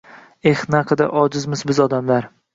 Eh, naqadar ojizmiz biz odamlar